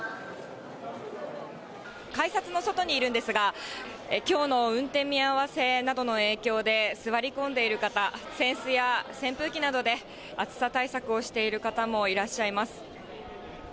改札の外にいるんですが、きょうの運転見合わせなどの影響で、座り込んでいる方、扇子や扇風機などで暑さ対策をしている方もいらっしゃいます。